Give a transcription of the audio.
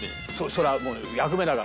それはもう役目だから。